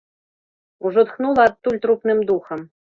Ужо тхнула адтуль трупным духам.